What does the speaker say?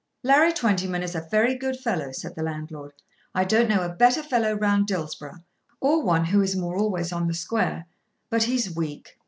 "Larry Twentyman is a very good fellow," said the landlord. "I don't know a better fellow round Dillsborough, or one who is more always on the square. But he's weak.